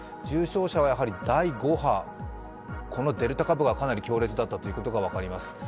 重症者は第５波、このデルタ株がかなり強烈だったことが分かります。